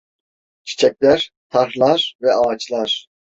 Çiçekler, tarhlar ve ağaçlar.